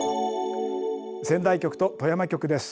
仙台局と富山局です。